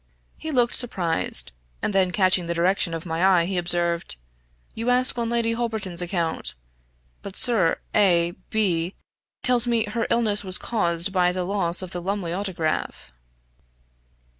He looked surprised; and then catching the direction of my eye, he observed, "You ask on Lady Holberton's account; but Sir A B tells me her illness was caused by the loss of the Lumley Autograph."